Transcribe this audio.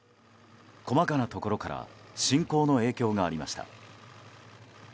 細かなところから侵攻の影響がありました。